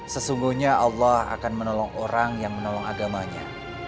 sesungguhnya allah akan menolong orang yang menolong agamanya